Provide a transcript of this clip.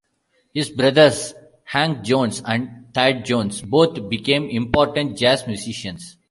His brothers, Hank Jones and Thad Jones, both became important jazz musicians.